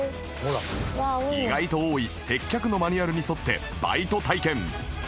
意外と多い接客のマニュアルに沿ってバイト体験